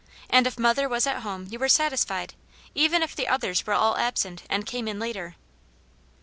* And if mother was at home you were satisfied, even if the others were all absent, and came in later."